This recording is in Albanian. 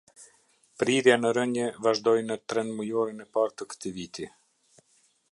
Prirja në rënie vazhdoi në tremnujorin e parë të këtij viti.